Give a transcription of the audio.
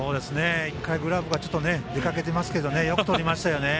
一回、グラブから出かけていますけどよくとりましたよね。